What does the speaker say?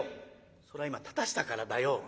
「それは今立たしたからだよ」。